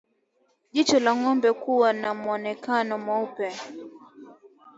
Jicho la ngombe kuwa na mwonekano mweupe